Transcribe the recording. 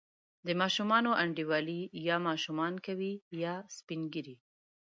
د ماشومانو انډیوالي یا ماشومان کوي، یا سپین ږیري.